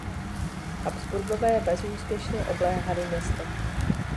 Habsburkové bezúspěšně obléhali město.